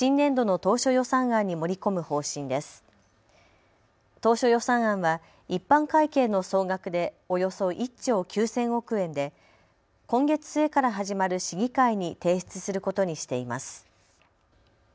当初予算案は一般会計の総額でおよそ１兆９０００億円で今月末から始まる市議会に提出することにしています。